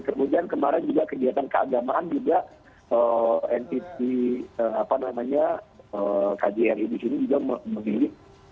kemudian kemarin juga kegiatan keagamaan juga entiti apa namanya kjri disini juga memilih